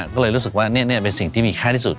ก็เลยรู้สึกว่านี่เป็นสิ่งที่มีค่าที่สุด